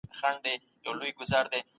جامد تعریفونه نور چا ته نه منل کیږي.